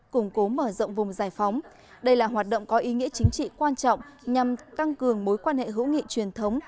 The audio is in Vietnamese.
củng cố mở rộng vùng giải phóng đây là hoạt động có ý nghĩa chính trị quan trọng nhằm tăng cường mối quan hệ hữu nghị truyền thống